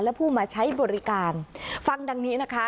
และผู้มาใช้บริการฟังดังนี้นะคะ